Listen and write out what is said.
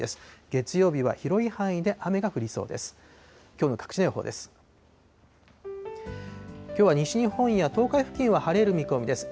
月曜日は広い範囲で雨が降りそうです。